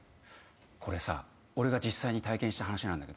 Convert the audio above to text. これさ俺が実際に体験した話なんだけどさ。